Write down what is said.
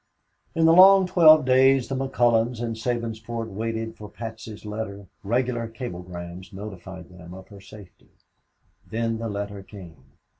In the long twelve days the McCullons and Sabinsport waited for Patsy's letter, regular cablegrams notified them of her safety. Then the letter came.